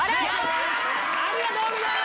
ありがとうございます！